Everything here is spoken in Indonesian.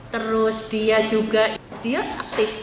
terus dia juga dia aktif